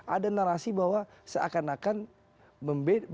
ada narasi bahwa seakan akan berbeda dengan kebebasan